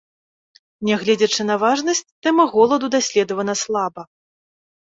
Нягледзячы на важнасць, тэма голаду даследавана слаба.